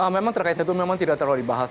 memang terkait itu memang tidak terlalu dibahas